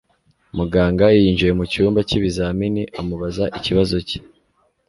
muganga yinjiye mucyumba cy'ibizamini amubaza ikibazo cye